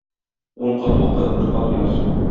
Ун кат укы, бер кат яз.